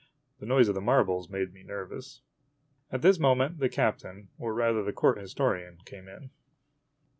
The noise of the marbles made me nervous. At this moment the captain, or rather the Court Historian, came in.